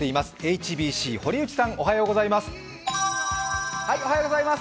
ＨＢＣ・堀内さん、おはようございます。